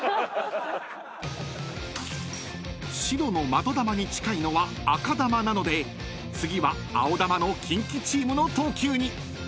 ［白の的球に近いのは赤球なので次は青球のキンキチームの投球に］